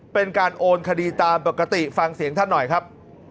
เป็นการโอนคดีตามปกติฟังเสียงท่านหน่อยครับ